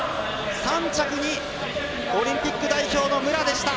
３着にオリンピック代表の武良でした。